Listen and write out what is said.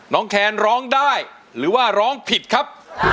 แคนร้องได้หรือว่าร้องผิดครับ